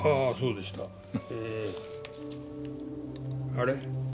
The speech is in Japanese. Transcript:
あれ？